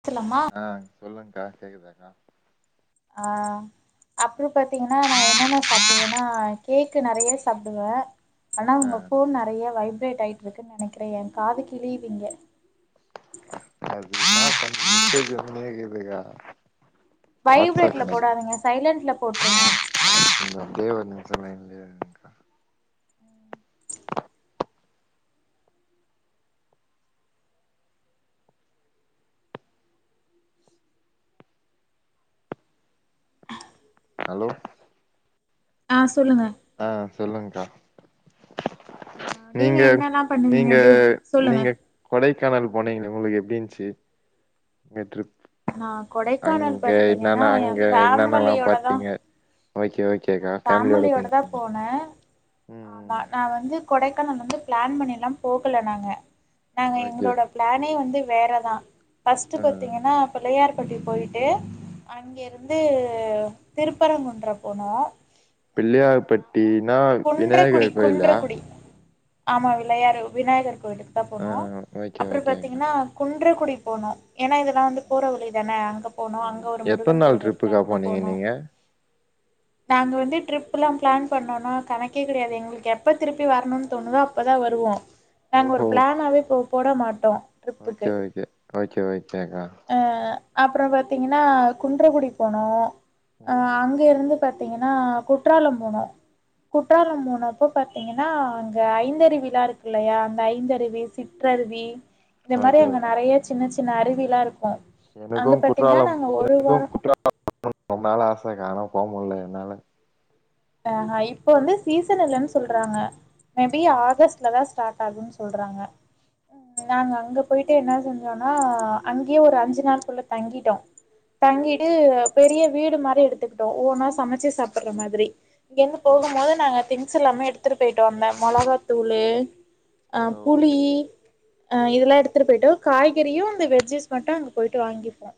த்துலம்மா சொல்லுங்கா கேக்குதாக்கா அ அப்றோ பாத்தீங்கன்னா நா என்னான்ன சாப்டுவனா கேக்கு நறைய சாப்டுவ ஆனா ஆ உங்க ஃபோன் நறைய வைப்ரேட் டயிட்ருக்குன் நெனக்றே எ காது கிழியிது இங்க அது மெசேஜ் வந்துனேக்கிதுக்கா வைப்ரேட்ல போடாதீங்க சைலண்ட்ல போட்ருங்க [unintelligible] ஹலோ அ சொல்லுங்க அ சொல்லுங்க்கா ஆ நீங்க என்னல்லா நீங்க பண்ணுவீங்க டே சொல்லுங்க நீங்க கொடை கேனல் போனீங்களா உங்ளுக்கு எப்டி இந்ச்சி நேற்று நா கொடைக்கானல் அங்க பாத்தீங்கன்னா இன்னானா எ அங்க இன்னானல்லா ஃபேமிலியோட தா பாத்தீங்க ஓகே ஓகே நா அக்கா ஃபேம்லியோட போய்ரு ஆ பா நா வந்து கொடைக்கானலந்து ப்ளான் பண்ண எல்லா போகல நாங்க நாங்க ஓகே எங்ளோட ப்ளானே வந்து வேறதா ஃபஸ்ட்டு ஆ பத்தீங்கன்னா பிள்ளையார் பட்டி போயிட்டு அங்கிருந்து திருப்பரங்குன்றம் போனோ பிள்ளயார்பட்டினா குன்றக்குடி விநாயகர் கோயிலா குன்றக்குடி ஆமா விலையாரு விநாயகர் கோவிலுக்கு தா ஆ போனோ ஓகே அப்ற ஓகேங்க பாத்தீங்கன்னா குன்றக் குடி போனோ ஏனா இதுலா வந்து ம் போற வழி தானே அங்க போனு ம் அங்க ஒரு எத்தன் முருகன் நாள் கோவில் இருக்கு ட்ரிப்புக்கா அங்க போனீங்க போனோ நீங்க நாங்க வந்து ட்ரிப்ல்லா ப்ளான் பண்ணோனா கணக்கே கடையாது எங்ளுக்கு எப்ப திருப்பி வரணுன் தோணுதோ அப்பதா வருவோ நாங்க ஓஹோ ஒரு ப்ளானாவே போ போட மாட்டோ ட்ரிப்புக்கு ஓகே ஓகே ஓகே ஓக்தேக்கா அப்புறொ பாத்தீங்கன்னா குன்றகுடிக் போனோ அ ம் அங்க இருந்து பாத்தீங்கன்னா குற்றாலம் போனோ குற்றாலம் போனோப்போ பாத்தீங்கன்னா அங்க ஐந்தருவில்லா இருக்கு இல்லையா அந்த ஐந்தருவி சிற்றருவி இந்த மாரி அங்க நெறய சின்ன சின் ன்ன அறுவிலா இருக் எனக்கும் குற்றாலம் வாரோ எனக்கும் குற்றாலம் [inaudible] ரொம்ப நாள் ஆசகா ஆனா போ முல என்னால அஹ இப்ப வந்து சீசன் இல்லன்னு சொல்றாங்க மேபி ம் ஆகஸ்ட்லதா ஸ்டார்ட் ஆகும்ன்னு சொல்றாங்க நாங்க அங்க போயிட்டு என்ன செஞ்சோம்னா அங்கேயே ஒரு அஞ்சு நாள்க்குள்ள தங்கிட்டோ தங்கிட்டு பெரிய வீடு மாரி எடுத்துக்கிட்டோ ஓன்னா சமைச்சு சாப்புட்ற மாதிரி இங்க இருந்து ஓ போகும்போது நாங்க திங் ங்செல்லாமே எடுத்துட்டு போயிட்டோ அந்த மொளகாத்தூளு ஆ ஓ புளி அ இதெல்லா எடுத்துட்டு போயிட்டு காய்கறியும் இந்த வெஜ்ஜஸ் மட்டும் அங்க போயிட்டு வாங்கிப்போ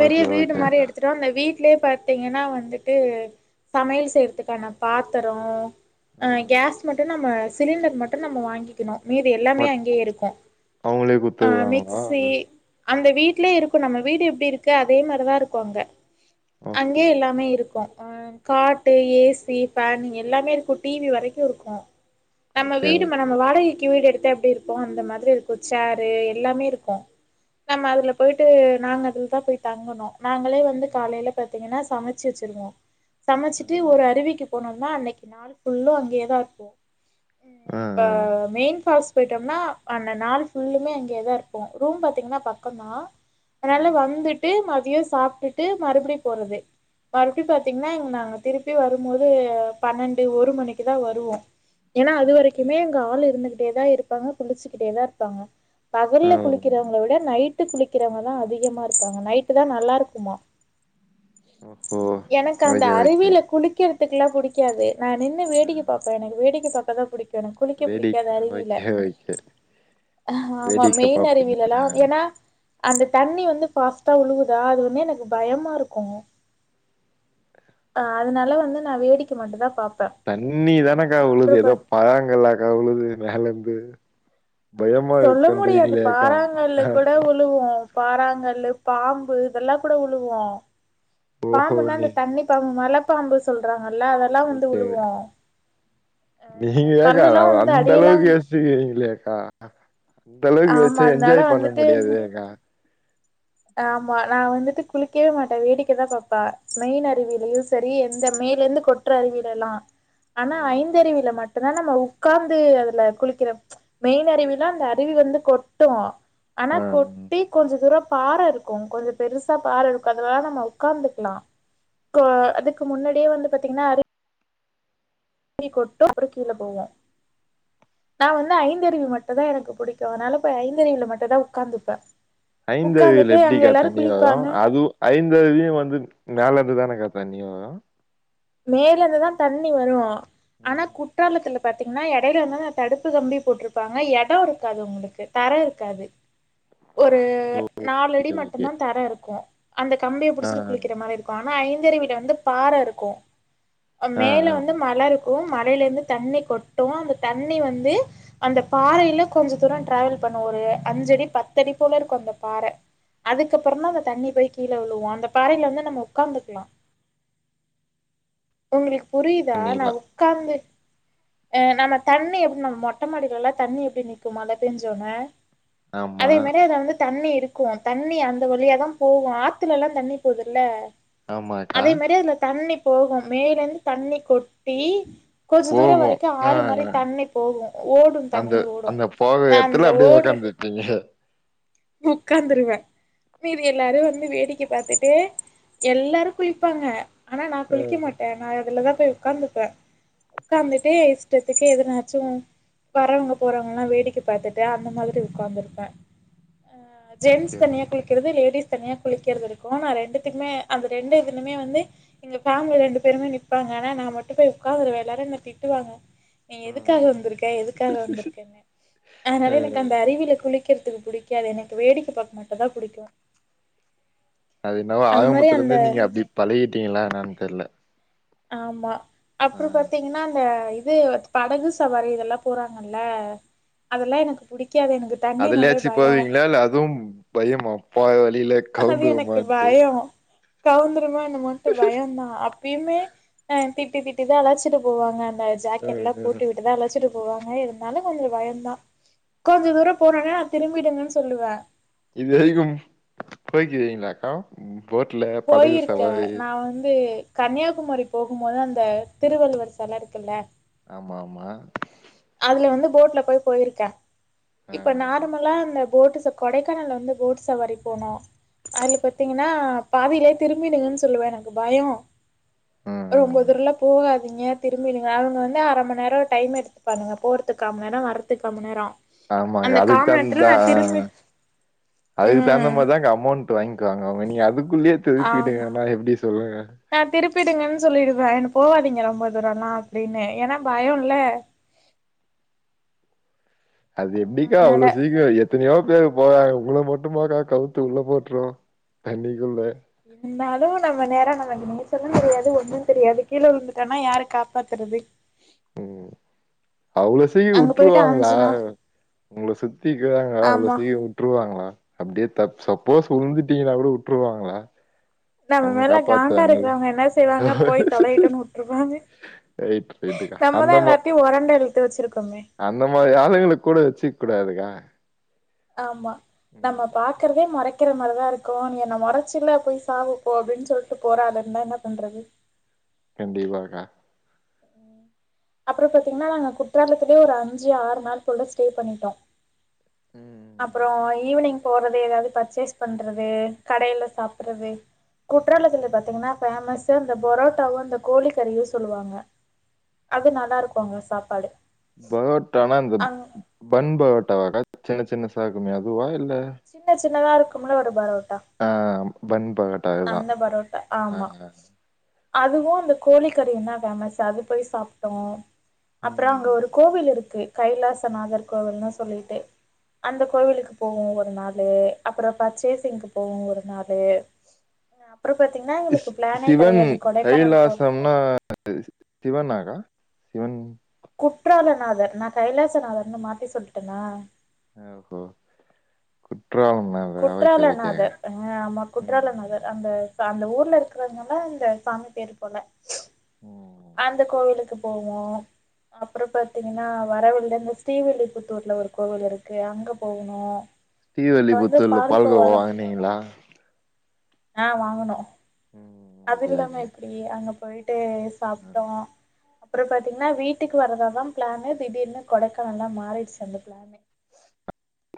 பெரிய ஓகே வீடு மாரி ஓகேக்கா எடுத்துட்டோ அந்த வீட் ட்லயே பார்த்தீங்கன்னா வந்துட்டு சமையல் செய்யிறதுக்கான பாத்தரொ ஆ ம் கேஸ் மட்டு நம்ம சிலிண்டர் மட்டு நம்ம வாங்கிக்கணு மீதி எல்லாமே மத் அங்கேயே இருக்கு அவுங்களே ஆ குத்துவாங்களா மிக்சி அந்த வீட்லயே இருக்கு நம்ம வீடு எப்டி இருக் க்கு அதே மாரிதா இருக்கு அங்க ஓஹோ அங்கே எல்லாமே இருக்கு அ காட்டு ஏ சி ஃபேன் எல்லாமே இருக்கு டிவி வரைக்கு இருக்கு. நம்ம ஓகே வீடுமா ஓகே நம்ம வாடைக் கி வீடெடுத்தா எப்டி இருக்கோ அந்த மாதிரி இருக்கும் சேரு எல்லாமே இருக்கு நம்ம அதுல போயிட்டு நாங்க அதுலதா போய் தங்குணோ நாங்களே வந்து காலையில ம் பா்த்தீங்கன்னா சமைச்சு வச்சிருவோ. சமச்சிட்டு ஒரு ம் அறிவிக்கு போனம் னா அன்னைக்கு நாள் ஃபுல்லு அங்கேயேதா இருப்போ ன்ன இப்ப ம் மெயின் ஃபால்ஸ் போயிட்டம்னா அந்த நாள் ஃபுல்லுமே அங்கேதா இருப்போ ரூம் பாத்தீங்கன்னா பக்கொந்தா அதனால வந்துட் டு மதியொ சாப்டுட்டு மறுபடியு போறது மறுபடியு பாத்தீங்கன்னா நாங்க திருப்பி வரும்போது பன்னெண்டு ஒரு மணிக்குதா வருவோ. ஏன்னா அது ஓகே வரைக்குமே அங்க ஆள் இருந்துக் ட்டேதா இருப்பாங்க குளிச்சுக்கிட்டேதா இருப்பாங்க ஓ பகல்ல குளிக்கிறவங்கள விட நைட் [unintelligible] குளிக்கிறவங்க தா அதிகமா இருப்பாங் க நைட்டு தா நல்லாருக்குமா ஓஹோ எனக்கு அந்த ஓகே ஓகே அருவில குளிக்கிற த்துக்கெலா புடிக்காது நா நின்னு ஆ வேடிக்க பாப்பே எனக்கு வேடிக்க பாக் பாக்க புடிக் எனக்கு குளிக்க வேடிக் புடிக்காது அருவில ஓகே ஓகே ஹ ஆமா வேடிக்க மெயின் பாப்பீங்க. அ அருவிலலாம் ஏன்னா அந்த தண்ணி வந்து ஃபாஸ் டா உழுகுதா அது வந்து எனக்கு பயமா இருக்கு ஆ அதுனால வந்து நா வேடிக்க மட்டும் தா பாப் தண்ணி தானக்கா வுழுது ஏதோ பராங்கல்லாக்கா வுழுது மேலர்ந்து சொல்ல முடியாது பாராங்கல்லு கூட விழுவு பாராங்கல்லு பாம்பு இதல்லா கூட விழுவு ஓஹோ பாம்புன்னா நீ அந்த தண்ணி பாம்பு மழப் பாம்பு சொல்ற நல்லா அதல்லா வந்து ஓகே விழுவு நீங்க ஏக்கா அத அத அந்த அடியெல்லா அளவுக்கு யோசிக்கிறீங்ளே ஆ இந்த அளவுக்கு ஆமா யோச்சா அதனால என்ஜாய் பண்ண வந்துட்டு முடியாதே கா ஆமா நா வந்துட்டு குளிக்கவே மாட்டே வேடிக்க தா பாப்பே மெயின் அருவிலயு சரி எந்த மேலர்ந்து கொட்ற அருவிலல்லா ஆனா ஐந்தருவில மட் டுந்தா நம்ம உக்காந்து அதுல குளிக்கிற ச் மெயின் அருவிலா அந்த அருவி வந்து கொட்டு ஆனா அ கொட்டி கொஞ்ச தூரோ பாற இருக்கு கொஞ்சோ பெருசா பாறை இருக்கு அதுல தா நம்ம உக்காந்துக்கலா கோ அதுக்கு முன்னாடியே வந்து பாத்தீங்கன்னா அரு வி கொட்டு அப்றோ கீழ போவு நா வந்து ஐந்தருவி மட்டுந்தா எனக்கு புடிக்கு அதுனால போய் ஐந்தருவில மட்டுந்தா உக்காந்துப்பே ஐந்தருவில உக்காந்துட்டு எப்டி அங்க கா எல்லாரு தண்ணி வரும் குளிப்பாங்க அது ஐந்தருவியும் வந்து மேலர்ந்து தான கா தண்ணி வரு மேல இருந்துதா தண்ணி வரு ஆனா ம் குட்டாலத்துல பாத்தீங்கன்னா எடேல வந்து அந்த தடுப்பு கம்பி போட்டுருப்பாங்க எடோ இருக்காது உங்களுக்கு தர இருக்காது ஒரு நாலடி ஓகே ஓகே மட்டுந்தா தர இருக்கு அந்த கம்பிய ஆ புடிச்சட்டு குளிக்கிற மாரி இருக்கும் ஆனா ஐந்தருவில வந்து பாற இருக்கும் அ ஆ மேல ஆ வந்து மல இரு ஒம் மலையில இருந்து தண்ணி கொட்டும் அந்த தண்ணி வந்து அந்த பாறையில கொஞ்ச தூரம் டிராவல் பண்ணும் ஒரு அஞ்ச அடி பத்து அடி போல இருக்கும் அந்த பாற அதுக்கப்புறமா அந்த தண்ணி போய் கீழே விழுவோம் அந்த பாறயில வந்து நம்ம ஒக்காந்துக்கலா உங்களுக் புரியுதா நா பண்ணிர்லா உக்காந்து அ நம்ம தண்ணி எப்டி நம்ம மொட்ட மாடிலலா தண்ணி எப்டி நிக்கும் மழ பெஞ்ச ஒனே ஆமா அதே மாரி அத வந்து தண்ணீ இரு க்கும் தண்ணி அந்த வழியாதா போகும் ஆத்துலலா தண்ணி போகுதுல்ல ஆமாக்கா அதே மாரி அதுல தண்ணி போகும் மேலந்து தண்ணி கொட்டி கொஞ்ச தூரோ போகு வரைக்கும் ஆ ஆறு மாரி ஆ தண்ணி போகும் ஓடும் அந்த தண்ணி ஓடும் அந்த போக நா அந்த எத்துல அப்டியே ஓடுற உக்காந்துருப்பீங்க ஒக்காந்துருவேன் மீதி எல்லாரு வந்து வேடிக்கை பாத்துட்டு எல்லாரு குளிப்பாங்க ஆனா நா குளிக்க ம் மாட்டேன் நா அதுலதா போய் ஒக்காந்துப்பேன் ஒக்காந்துட்டே இஷ்டத்துக்கு எதனாச்சும் வரவங்க போறவங்கல்லா வேடிக்கை பாத்துட்டு அந்த மாதிரி உக்காந்துருப்பேன் அ ஓகே ஜென்ட்ஸ் தனியா ஓகே குளிக்கறது லேடிஸ் தனியா குளிக்கிறது இருக்கும் நான் ரெண்டுத்துக்குமே அந்த ரெண்டு இதுலுமே வந்து இங்க பேபமிலி ரெண்டு பேருமே நிற்பாங்க ஆனா நானமட்டும் போய் உட்காந்துடுவன் என்னை திட்டுவாங்க நீ எதுக்காக ம் வந்திருக்க எதுக்காக வந்திருக்கேன்னு அதனால எனக்கு அந்த ம் அறிவியில குளிக்க பக்கிறதுக்கு பழ்ப்டிக்காது எனக்கு வேடிக்கை பக்க மாட்டு தான் பிடிக்கும் அது என்னாவோ மாதிரி ஆரம்பத்துல அந்த இருந்தந்து நீங்க அப்படி பழகிட்டீங்களா என்னானு தெரில ஆமா அப்பு ற பாத்தீங்கன்னா அந்த படகு சவாரி இதெல்லாம் போறாங்கல்ல அதெல்லாம் எனக்கு புடிக்கும் அதுலயாச்சும் போவீங்களா இல்ல அதுவும் பயம்மா போர வழியில கவர்ந்துடுமானுட்டு கவுந்து என்னமோனுட்டு பயம் தான் இப்பயுமே ஆ திட்டி திட்டி தான் அழைச்சிட்டு போவாங்க ம் ஜக்கெட்ளாம் போட்டு ம் போட்டுஞஉ விட்டுதான் அலச்சிட்டு போவாங்க இருந்தாலும் கொஞ்சம் பயம்தான் கொஞ்சம் தூரம் போனோனே நான் திரும்பிடுங்கன்னு சொல்லுவேன் இது வரைக்கும் போய்யிருக்கிங்களா அக்கா போயிருக்கேன் நான் வந்து கன்னியாகுமரி போகும்போது அந்த திருவள்ளுவர் சில இருக்குல்ல ஆமா ஆமா அதுல வந்து போட்ல போய் போயிருக்கே ஆ இப்ப ஆ. நார்மலா அந்த போட்டு சப் கொடைக்கானல்ல வந்து போட் சவாரி போனோ அதுல பாத்திங்கன்னா பாதீல்யே திரும்பிடுங்கன் சொல்லுவே எனக்கு பயோ ம் ம் ரொம்போ தூரல போகாதிங்க திரும்பிடுங்க அவுங்க வந்து அர மண் நேரோ டைம் எடுத்து பண்ணுவ போறதுக்கு கா ம நேரோ வரதுக் கா மண் நேரோ ஆமாகா அந்த கா அதுக் மண் நேரத்துல தகுந்துதா நா ஆ திரும்பி அதுக்கு தகுந்த ம் மார் தாங்க அமௌண்ட்டு வாய்ன்க்குவாங்க அவுங்க நீ அதுக்குள்ளயே ஆமா திருப்பிடுங்கனா எப்டி சொல்லுங்க நா திருப்பிடுங்கன் சொல்லிடுவே எனக் போவாதீங்க ரொம்ப தூரம் லா அப்டீன்னு ஏன்னா பயோ ல்ல அது எப்டிக்கா அவ்ளோ சீக்கிரோ எத்தினியோ [unintelligible] போராங்க உங்கள மட்டும்மாக்கா கவுத்து உள்ள போட்ருவா தண்ணிக்குள்ள இருந்தாலு நம்ம நேரோ நமக்கு நீச்சலு தெரியாது ஒண்ணு தெரியாது கீழே விழுந்துட்டன்னா யாரு காப்பாத்துறது அவ்ளோ [unintelligible] அங்க போயிட்டு வுட்ருவாங்களா அஞ்சு நாள் உங்கள சுத்திக்குதாங்கா அவ்ளோ ஆமா [unintelligible] வுட்ருவாங்களா அப்டியே தப் சசப் போஸ் உழுந்துட்டீங்னாகூட உட்ருவாங்களா நம்ம மேல காண்டா இருக்றவங்க என்ன செய்வாங்க போய் தொலையிட்டுனு உட்ருவாங்க ரைட்டு ரைட்டுக்கா அந்த மா எல்லாத்தையு ஒரண்ட இழுத்து வச்சிருக்கோமே அந்த மாரி ஆளுங்க கூட வெச்சுக் கூடாதுக்கா ஆமா நம்ம ம் பாக்குறதே மொறை க்கிற மாரிதா இருக்கோ நீ என்ன மொறச்சில போய் சாவு போ அப்டின் சொல்ட்டு போற ஆளு இருந்தா என்ன பண்றது கண்டிப்பாகா அப்றோ பாத்தீங்ன்னா நாங்க குற்றாலத்துலேயே ஒரு அஞ்சு ஆறு நாள் போல ஸ்டே பண்ணிட்டோ ம் அப்பறோ ஈவினிங் போறது எதாவ்து பர்ச்சேஸ் பண்றது கடையில சாப்பட்றது குற்றாலத்துல பாத்தீங்ன்னா ஃபேமஸ் இந்த பொரோட்டாவு அந்த கோழிக்கறியு சொல்லுவாங்க அது நல்லாருக்கோ அங்க சாப்பாடு பரோட்டானா இந்த அங் பன் பரோட்டாவா கா சின்ன சின்னசா இர்க்குமே அதுவா இல்ல சின்ன சின்னதா இருக்கும்ல ஒரு பரோ அ ம் பன் பரோட்டா அதுதான் அந்த பரோட்டா ஆமா ஆ அதுவு அந்த கோழி கறியுதா ஃபேமஸ் அது போய் சாப்ட்டோ அப்பறோ அங்க ம். ஒரு கோவில் இருக்கு கைலாசநாதர் கோவில்னு சொல்லிட்டு அந்த கோவிலுக்கு போவோ ஒரு நாளு அப்பற பர்சேசிங்கு போவோ ஒரு நாளு அப்றோ பாத்தீங்கன்னா எங்களுக்கு சி பிளானே சிவன் கெடையாது கொடைக்கானல் போற கைலாசம்னா அது சிவனா கா சிவன் குற்றாலநாதர் நா கைலாசநாதர்னு மாத்தி சொல்ட்டனா ஆ போ ஆஹ் குற்றாலனாதர் ஆ ஆமா ம், ம், ம். குற்றாலநாதர் அந்த த அந்த ஊர்ல இருக்கிறத்னால அந்த சாமி பேரு போல ம். அந்த கோவிலுக்கு போவோ அப்றொ பாத்திங்கனா வர வழ்ல இந்த ஸ்ரீவில்லிபுத்தூர்ல ஒரு கோவில் இருக்கு அங்க போகனூ ஸ்ரீவில்லிபுத்தூர்ல பால்கோவா வாங்குனீங்ளா ஆ வாங்குனோ அது ஓகே, இல்லாம எப்டி அங்க பொயிட்டே சா ஆ அப்றொ பாத்திங்னா வீட்டுக்கு வரதாதா ப்ளானு திடீர்னு கொடைக்கானலா மாறிடுச்சி அந்த ப்ளானே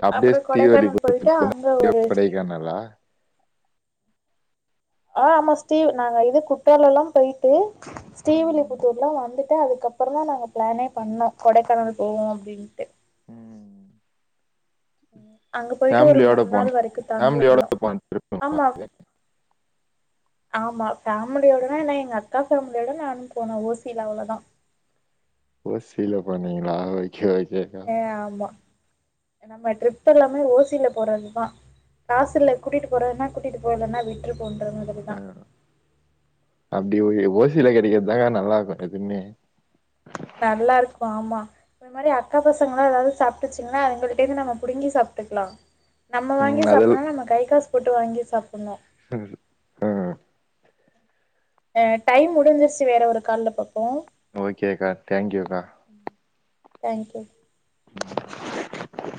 அப்டியே ஸ்ரீவலிபு அங்க [unintelligible] ஒரு கொடைக்கானலா ஆ ஆமா ஶ்ரீ நாங்க இது குற்றாலொல்லா பொய்ட்டு ம், ஸ்ரீவிலீபுத்தூர்லா வந்து ட்டு அதுக்கப்றதா நாங்க பிளானே பண்ணோ கொடைக்கானலு போவோ அப்டின்ட்டு ம். உ [inaudible] அங்க பொய்ட்டு ஒரு ஃபேமிலியோட மூணு போன நாள் வரைக்கு தங்கி ஃபேமிலியோட இருந்தோ போன ட்ரிப்பு. ஆமா ஆமா ஃபேமிலியோடனா எனா எங்க அக்கா ஃபேம்லியோட நானு போனே ஓசில அவ்ளொதா ஓசில‌ போனிங்ளா ஓகே ஓக் கேகா ஏ ஆமா நம்ம ட்ரிப் எல்லாமே ஓசில போறதுதா காசில்ல கூட்டிட்டு போறதுனா கூட்டிட்டு போ இல்லனா விட்ரு போன்ற மாதிரிதா வெங்காயொ அப்டி ஒய் ஓசில கெடைக்கத் தாங்க நல்லாக்கு டெதுமே நல்லாருக்கு ஆமா அது மாரி அக்கா பசங்களா ஏதாவ்து சாப்ட்டுச்சுங்னா அதுங்கள்டெந்து நம்ம புடுங்கி சாப்டுக்லா நம்ம ம். வாங்கி சாப்டொனா நம்ம கை காஸ் போட்டு வாங்கி சாப்புட்னு ஆஹ் ஆ டைம் முடிஞ்சிர்சி வேற ஒரு கால்ல பாப் ஓகே கா தேங்க் யூ கா தேங்க்யூ [unintelligible]